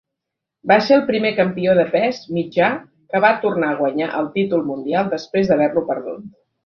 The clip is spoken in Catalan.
Va ser el primer campió de pes mitjà que va tornar a guanyar el títol mundial després d'haver-lo perdut.